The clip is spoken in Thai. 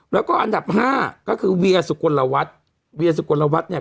แล้วก็อันดับห้าก็คือเวียสุกลวัฒน์เวียสุกลวัฒน์เนี่ย